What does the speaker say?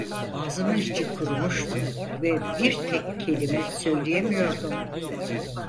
Ağzımın içi kurumuştu ve bir tek kelime söyleyemiyordum…